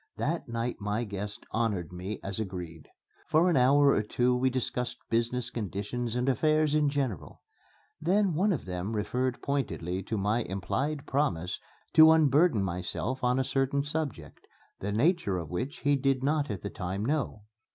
That night my guests honored me as agreed. For an hour or two we discussed business conditions and affairs in general. Then, one of them referred pointedly to my implied promise to unburden myself on a certain subject, the nature of which he did not at the time know.